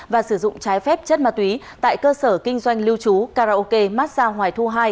và sử dụng trái phép chất ma túy tại cơ sở kinh doanh lưu trú karaoke massage ngoài thu hai